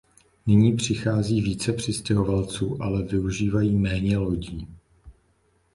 Nyní přichází více přistěhovalců, ale využívají méně lodí.